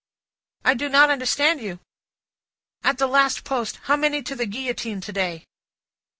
"I do not understand you." " At the last post. How many to the Guillotine to day?"